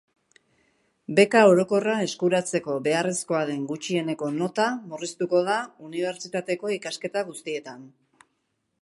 Beka orokorra eskuratzeko beharrezkoa den gutxieneko nota murriztuko da unibertsitateko ikasketa guztietan.